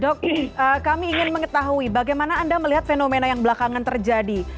dok kami ingin mengetahui bagaimana anda melihat fenomena yang belakangan terjadi